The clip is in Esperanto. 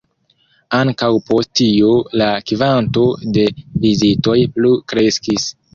Ankaŭ post tio la kvanto de vizitoj plu kreskis.